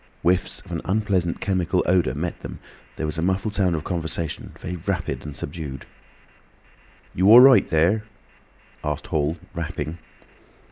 Whiffs of an unpleasant chemical odour met them, and there was a muffled sound of conversation, very rapid and subdued. "You all right thur?" asked Hall, rapping.